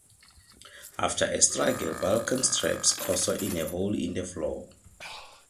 After a struggle, Balkan traps Corso in a hole in the floor.